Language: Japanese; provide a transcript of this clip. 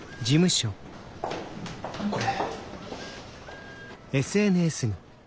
これ。